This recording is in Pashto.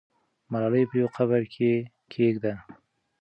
ملالۍ په یوه قبر کې کښېږده.